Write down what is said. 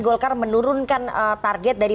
golkar menurunkan target dari